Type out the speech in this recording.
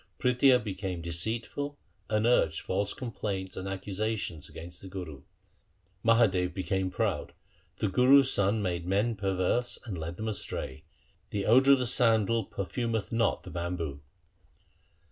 Prithia became deceitful and urged false complaints and accusations against the Guru. Mahadev became proud — the Gurus' sons made men per verse and led them astray. The odour of the sandal perfumeth not the bamboo.